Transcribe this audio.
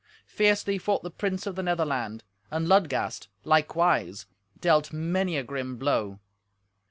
Fiercely fought the prince of the Netherland, and Ludgast, likewise, dealt many a grim blow.